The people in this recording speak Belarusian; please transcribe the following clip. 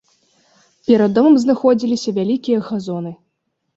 Перад домам знаходзіліся вялікія газоны.